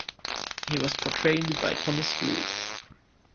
He was portrayed by Thomas Lewis.